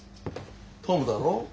トムだろ。